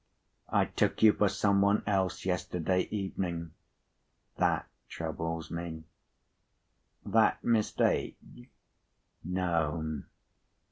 I took you for some one else yesterday evening. That troubles me." "That mistake?" "No.